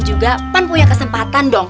juga pan punya kesempatan dong